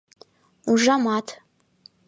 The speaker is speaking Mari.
Ужамат